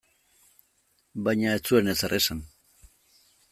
Baina ez zuen ezer esan.